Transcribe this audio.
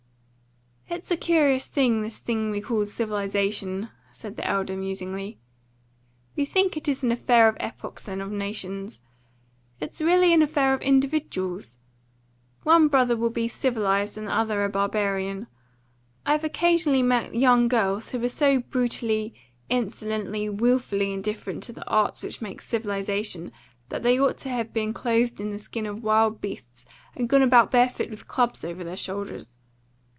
"It's a curious thing, this thing we call civilisation," said the elder musingly. "We think it is an affair of epochs and of nations. It's really an affair of individuals. One brother will be civilised and the other a barbarian. I've occasionally met young girls who were so brutally, insolently, wilfully indifferent to the arts which make civilisation that they ought to have been clothed in the skins of wild beasts and gone about barefoot with clubs over their shoulders.